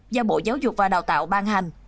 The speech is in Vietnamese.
do bộ giáo dục và đào tạo ban hành